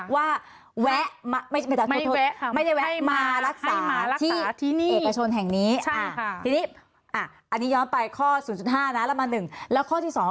ว่าแวะมาไม่พยาบาลโทษคุณ